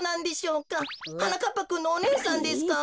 はなかっぱくんのおねえさんですか？